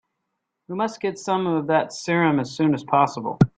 We must get some of that serum as soon as possible.